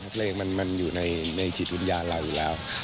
เพลงมันอยู่ในจิตวิญญาณเราอยู่แล้ว